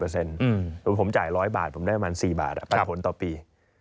ผมจ่าย๑๐๐บาทผมได้ประมาณ๔บาทปันผลต่อปี